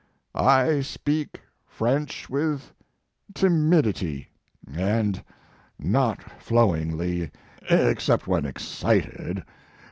I speak French with timidity, and not flowingly, except when excited.